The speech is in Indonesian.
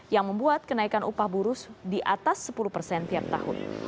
yang membuat kenaikan upah buruh di atas sepuluh persen tiap tahun